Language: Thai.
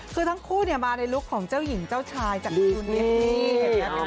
คือทั้งคู่เนี่ยมาในลุคของเจ้าหญิงเจ้าชายจากดีสมี่เห็นไหมครับ